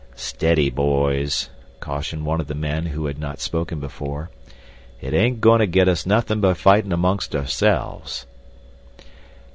"Steady, boys," cautioned one of the men who had not spoken before. "It ain't goin' to get us nothing by fightin' amongst ourselves."